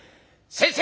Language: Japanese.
先生！